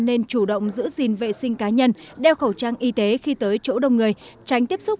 nên chủ động giữ gìn vệ sinh cá nhân đeo khẩu trang y tế khi tới chỗ đông người tránh tiếp xúc